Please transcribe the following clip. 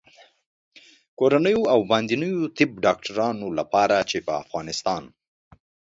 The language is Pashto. کورنیو او باندنیو طب ډاکټرانو لپاره چې په افغانستان